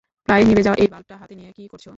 প্রায় নিভে যাওয়া এই বাল্বটা হাতে নিয়ে কী করছ?